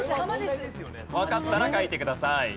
わかったら書いてください。